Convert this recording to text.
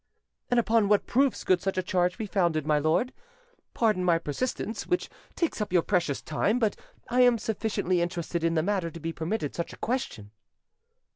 "And upon what proofs could such a charge be founded, my lord? Pardon my persistence, which takes up your precious time; but I am sufficiently interested in the matter to be permitted such a question."